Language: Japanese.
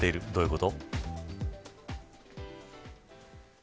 どういうこと。